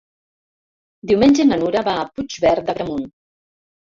Diumenge na Nura va a Puigverd d'Agramunt.